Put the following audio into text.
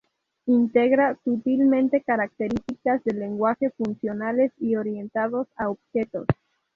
Integra sutilmente características de lenguajes funcionales y orientados a objetos.